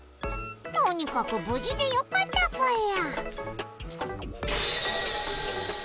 とにかくぶじでよかったぽよ。